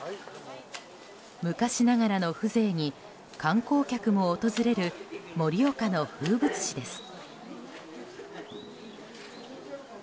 昔ながらの風情に観光客も訪れる盛岡の風物詩です。